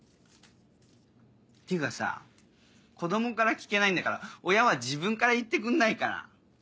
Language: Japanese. ていうかさ子供から聞けないんだから親は自分から言ってくんないかな？